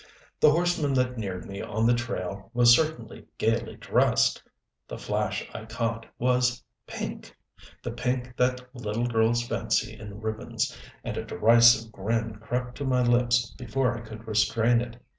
The horseman that neared me on the trail was certainly gayly dressed! The flash I caught was pink the pink that little girls fancy in ribbons and a derisive grin crept to my lips before I could restrain it.